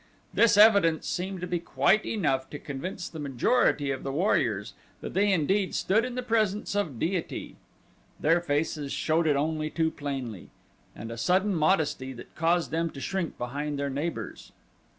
This evidence seemed to be quite enough to convince the majority of the warriors that they indeed stood in the presence of deity their faces showed it only too plainly, and a sudden modesty that caused them to shrink behind their neighbors.